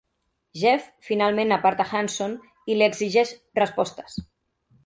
Jeff finalment aparta Hanson i li exigeix respostes.